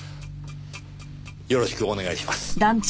よろしくお願いします。